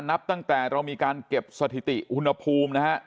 นับตั้งแต่เรามีการเก็บสถิติอุณหภูมินะฮะ